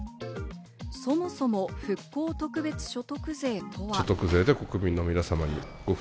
そもそも復興特別所得税とは。